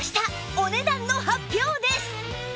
お値段の発表です！